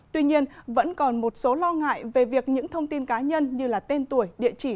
tuy nhiên vẫn còn một số lo ngại về việc những thông tin cá nhân như tên tuổi địa chỉ